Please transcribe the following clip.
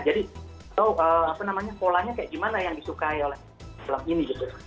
jadi atau apa namanya polanya kayak gimana yang disukai oleh film ini gitu